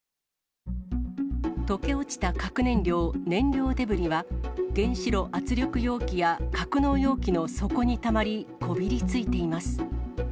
溶け落ちた核燃料・燃料デブリは、原子炉圧力容器や格納容器の底にたまり、こびりついています。